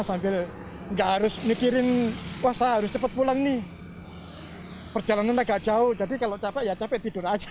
sambil nggak harus mikirin wah saya harus cepat pulang nih perjalanan agak jauh jadi kalau capek ya capek tidur aja